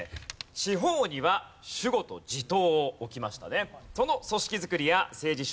地方には守護と地頭を置きましたね。